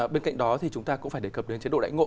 bên cạnh đó thì chúng ta cũng phải đề cập đến chế độ đại ngộ